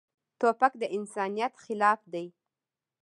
توپک د انسانیت خلاف دی.